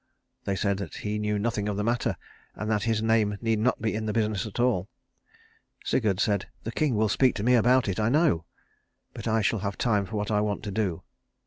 They said that he knew nothing of the matter, and that his name need not be in the business at all. Sigurd said, "The king will speak to me about it, I know. But I shall have time for what I want to do."